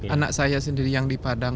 anak saya sendiri yang di padang